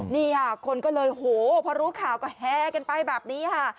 นี่ค่ะคนก็เลยโหพอรู้ข่าวก็แฮกันไปแบบนี้ค่ะ